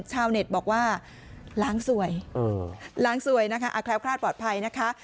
ชาวเน็ตบอกว่าล้างสวยคราวคราวปลอดภัย